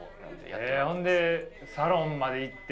えほんでサロンまで行って。